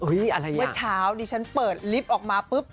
อะไรวะเมื่อเช้าดิฉันเปิดลิฟต์ออกมาปุ๊บ